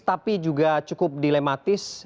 tapi juga cukup dilematis